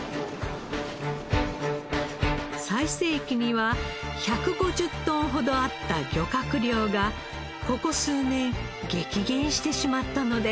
最盛期には１５０トンほどあった漁獲量がここ数年激減してしまったのです。